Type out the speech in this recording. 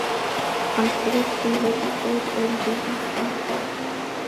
არსებობს სიმღერის მხოლოდ ორი დუბლი.